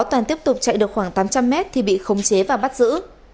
toàn tiếp tục chạy được khoảng tám trăm linh mét thì bị khống chế và bắt giữ